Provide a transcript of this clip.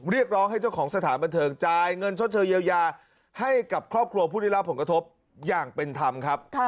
เรียกร้องให้เจ้าของสถานบันเทิงจ่ายเงินชดเชยเยียวยาให้กับครอบครัวผู้ได้รับผลกระทบอย่างเป็นธรรมครับ